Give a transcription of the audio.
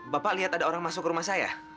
bapak lihat ada orang masuk ke rumah saya